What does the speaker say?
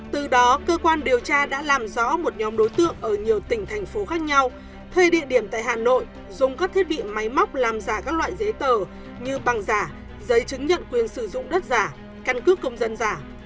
từ đó cơ quan điều tra đã làm rõ một nhóm đối tượng ở nhiều tỉnh thành phố khác nhau thuê địa điểm tại hà nội dùng các thiết bị máy móc làm giả các loại giấy tờ như bằng giả giấy chứng nhận quyền sử dụng đất giả căn cước công dân giả